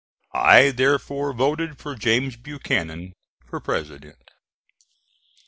I therefore voted for James Buchanan for President.